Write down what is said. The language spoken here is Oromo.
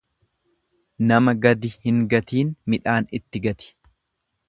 Nama gadi hin gatiin midhaan itti gati.